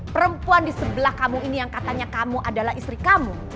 perempuan di sebelah kamu ini yang katanya kamu adalah istri kamu